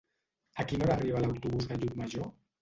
A quina hora arriba l'autobús de Llucmajor?